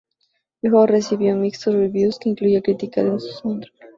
El juego recibió mixtos reviews, que incluía crítica de su soundtrack.